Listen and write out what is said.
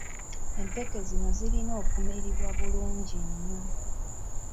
Empeke zino zirina okumiribwa bulungi nnyo.